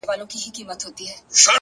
هره تجربه د عقل یو نوی رنګ دی,